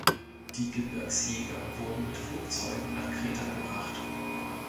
Die Gebirgsjäger wurden mit Flugzeugen nach Kreta gebracht.